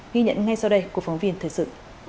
ghi nhận ngay sau đây của phóng viên thời sự